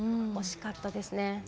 惜しかったですね。